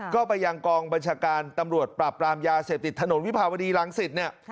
ก็ไปยังกองบัญชาการตำรวจปราบปรามยาเสพติดถนนวิภาวดีรังสิตเนี่ย